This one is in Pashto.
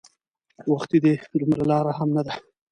وختي دی دومره لار هم نه ده.